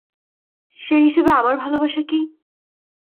সেই হিসেবে আমার ভালোবাসা কী?